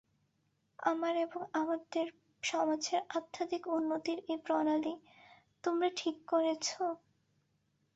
আমার এবং আমাদের সমাজের আধ্যাত্মিক উন্নতির এই প্রণালী তোমরা ঠিক করেছ!